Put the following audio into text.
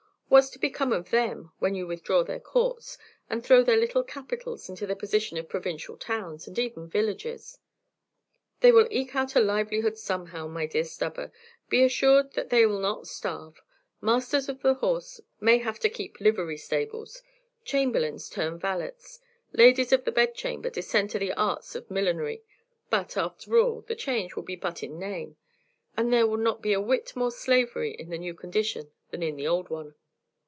What's to become of them when you withdraw their courts, and throw their little capitals into the position of provincial towns and even villages?" "They will eke out a livelihood somehow, my dear Stubber. Be assured that they 'll not starve. Masters of the Horse may have to keep livery stables; chamberlains turn valets; ladies of the bedchamber descend to the arts of millinery: but, after all, the change will be but in name, and there will not be a whit more slavery in the new condition than in the old one."